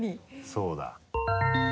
そうだ。